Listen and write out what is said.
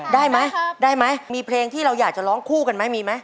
ได้ไหมได้ไหมมีเพลงที่เราอยากจะร้องคู่กันไหมมีไหม